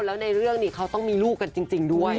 แล้วในเรื่องนี้เขาต้องมีลูกกันจริงด้วย